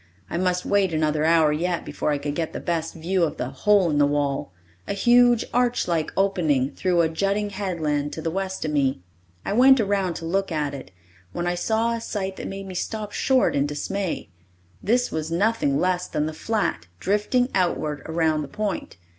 I must wait another hour yet before I could get the best view of the "Hole in the Wall" a huge, arch like opening through a jutting headland to the west of me. I went around to look at it, when I saw a sight that made me stop short in dismay. This was nothing less than the flat, drifting outward around the point.